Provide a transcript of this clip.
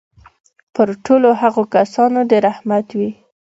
پر ټولو هغو کسانو دي رحمت وي.